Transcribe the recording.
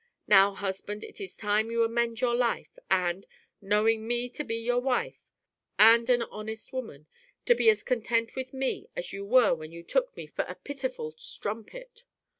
Now, husband, it is time to amend your life, and, knowing me to be your wife, and an honest woman, to be as content with me as you were when you took me for a pitiful strumpet.